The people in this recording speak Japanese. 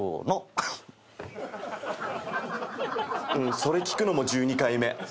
それ聞くのも１２回目。